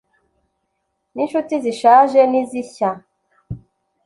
ninshuti zishaje nizishya